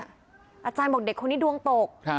อาจารย์บอกเด็กคนนี้ดวงตก